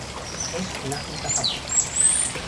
Es un ágil cazador.